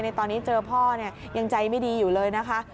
ตอนนี้เจอพ่อยังใจไม่ดีอยู่เลยนะคะ